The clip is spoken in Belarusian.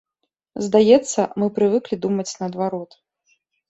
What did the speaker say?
Здаецца, мы прывыклі думаць наадварот.